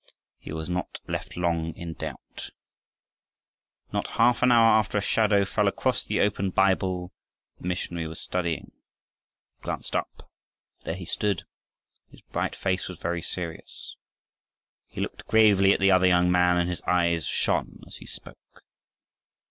He was not left long in doubt. Not half an hour after a shadow fell across the open Bible the missionary was studying. He glanced up. There he stood! His bright face was very serious. He looked gravely at the other young man, and his eyes shone as he spoke.